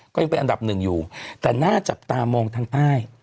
ก็ยังเป็นอันดับหนึ่งอยู่แต่น่าจับตามองทางใต้